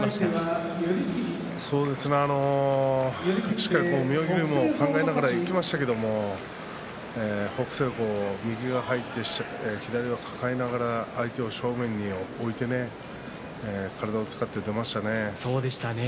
しっかり妙義龍も考えながらやっていましたけど北青鵬は右が入って左を抱えながら相手を正面に置いて体を使って出ましたね。